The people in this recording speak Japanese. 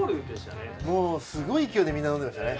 もうすごい勢いでみんな飲んでましたね。